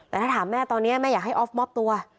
แต่ถ้าถามแม่ตอนนี้แม่อยากให้ออฟมอบตัว